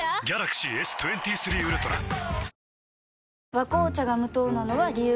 「和紅茶」が無糖なのは、理由があるんよ。